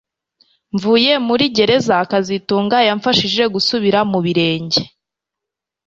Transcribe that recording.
Mvuye muri gereza kazitunga yamfashije gusubira mu birenge